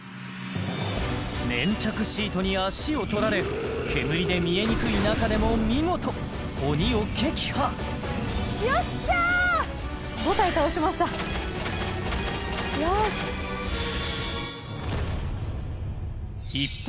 粘着シートに足をとられ煙で見えにくい中でも見事鬼を撃破５体倒しましたよし一方